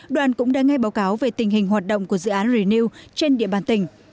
đoàn cũng đã nghe báo cáo về tình hình hoạt động của dự án reu trên địa bàn tỉnh